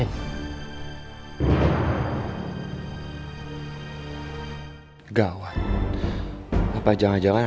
tidak ada yang bisa menghidupku